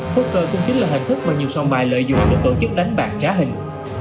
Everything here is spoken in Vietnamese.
poker cũng chính là hình thức mà nhiều song bài lợi dụng để tổ chức đánh bạc trá hình